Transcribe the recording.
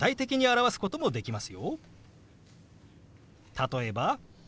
例えば。